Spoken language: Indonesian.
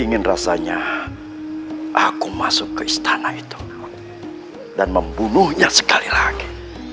ingin rasanya aku masuk ke istana itu dan membunuhnya sekali lagi